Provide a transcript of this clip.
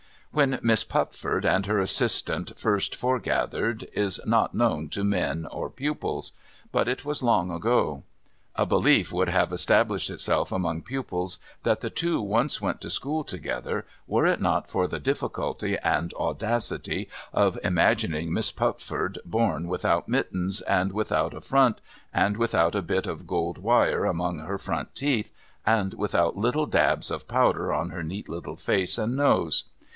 When Miss Pupford and her assistant fust foregathered, is not known to men, or pupils. But, it was long ago. A belief would have established itself among pupils that the two once went to school together, were it not for the difficulty and audacity of imagining Miss Pupford born without mittens, and without a front, and without a bit of gold wire among her front teeth, and without little dabs of powder on her neat little face and nose.